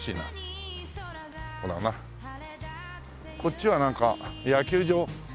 こっちはなんか野球場？